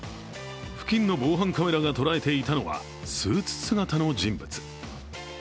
付近の防犯カメラが捉えていたのはスーツ姿の人物。